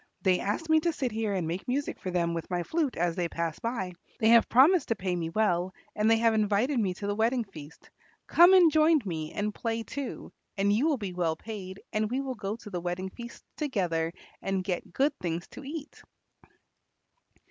They asked me to sit here and make music for them with my flute as they pass by. They have promised to pay me well, and they have invited me to the wedding feast. Come and join me and play too, and you will be well paid, and we will go to the wedding feast together and get good things to eat."